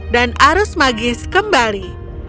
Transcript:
dan arus magis kembali